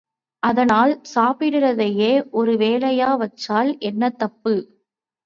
அதனால சாப்பிடுறதையே ஒரு வேலையா வச்சால் என்ன தப்பு?